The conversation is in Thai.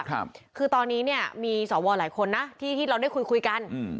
ครับคือตอนนี้เนี่ยมีสอวอหลายคนนะที่ที่เราได้คุยคุยกันอืม